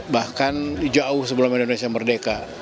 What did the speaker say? bahkan jauh sebelum indonesia merdeka